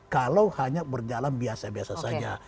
kalau hanya berjalan biasa biasa saja